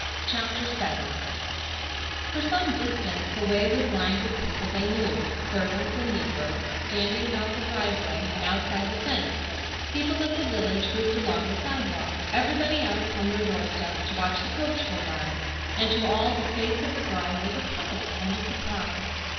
CHAPTER VII For some distance the way was lined with people they knew, servants and negroes, standing about the driveway and outside the fence, people of the village grouped along the sidewalk, everybody out upon their doorsteps to watch the coach go by, and to all the face of the bride was a puzzle and a surprise.